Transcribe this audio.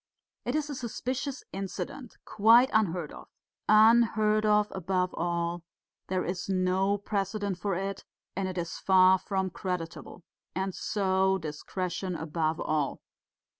It is a suspicious incident, quite unheard of. Unheard of, above all; there is no precedent for it, and it is far from creditable.... And so discretion above all....